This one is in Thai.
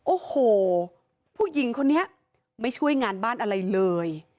โอ้โหผู้หญิงคนนี้ไม่ช่วยงานบ้านอะไรเลย